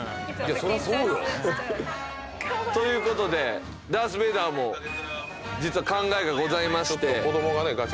そらそうよ。ということでダース・ベイダーも実は考えがございまして。